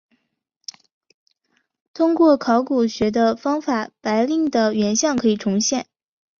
通过考古学的方法白令的原像可以重现。